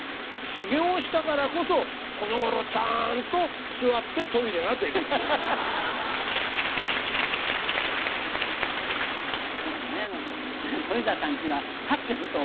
修行したからこそ、このごろ、ちゃんと座ってトイレができるようになった。